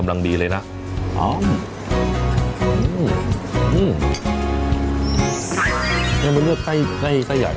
อันนั้นถ้าเลือกไส้ใหญ่อ่ะ